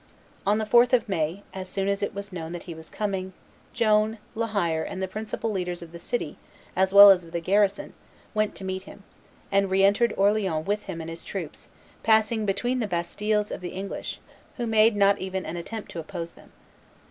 On the 4th of May, as soon as it was known that he was coming, Joan, La Hire, and the principal leaders of the city as well as of the garrison, went to meet him, and re entered Orleans with him and his troops, passing between the bastilles of the English, who made not even an attempt to oppose them.